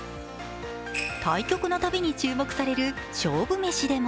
対局の度に注目される勝負メシでも